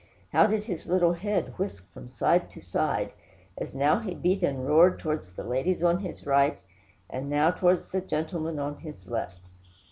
How did his little head whisk from side to side, as now he beat and roared towards the ladies on his right, and now towards the gentlemen on his left!